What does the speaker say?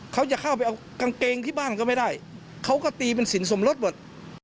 เขาจะเข้าไปเอากางเกงที่บ้านก็ไม่ได้เขาก็ตีเป็นสินสมรสหมด